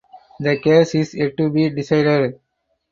The case is yet to be decided.